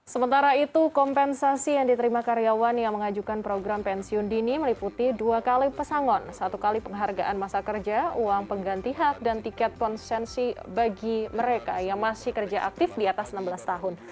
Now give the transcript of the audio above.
sementara itu kompensasi yang diterima karyawan yang mengajukan program pensiun dini meliputi dua kali pesangon satu kali penghargaan masa kerja uang pengganti hak dan tiket konsensi bagi mereka yang masih kerja aktif di atas enam belas tahun